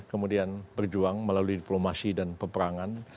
kemudian berjuang melalui diplomasi dan peperangan